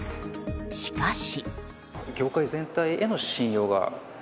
しかし。